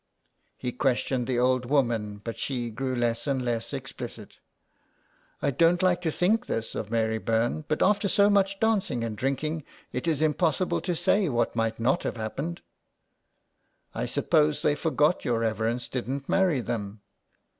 He questioned the old woman, but she grew less and less explicit. " I don't like to think this of Mary Byrne, but after so much dancing and drinking, it is impossible to say what might not have happened." '' I suppose they forgot your reverence didn't marry them."